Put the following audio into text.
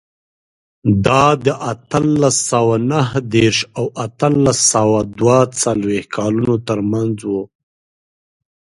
دا د اتلس سوه نهه دېرش او اتلس سوه دوه څلوېښت کلونو ترمنځ و.